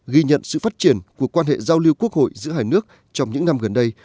ghi nhận sự phát triển của quan hệ giao lưu quốc hội giữa hai nước trong những năm gần đây